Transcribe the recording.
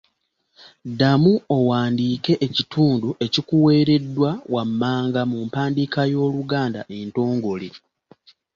Ddamu owandiike ekitundu ekikuweereddwa wammanga mu mpandiika y’Oluganda entongole.